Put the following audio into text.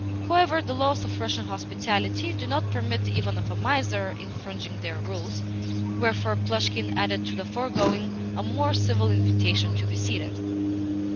However, the laws of Russian hospitality do not permit even of a miser infringing their rules; wherefore Plushkin added to the foregoing a more civil invitation to be seated.